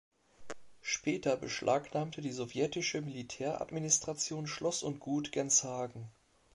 Später beschlagnahmte die sowjetische Militäradministration Schloss und Gut Genshagen.